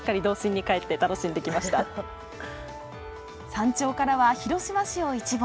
山頂からは広島市を一望！